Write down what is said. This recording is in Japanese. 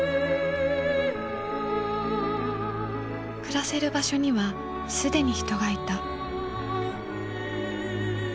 暮らせる場所には既に人がいた。